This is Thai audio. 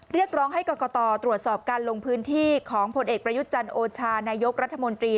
เรียกร้องให้กรกตตรวจสอบการลงพื้นที่ของผลเอกประยุทธ์จันทร์โอชานายกรัฐมนตรี